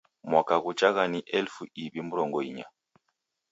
Mwaka ghuchagha ni elifu iw'i mrongo inya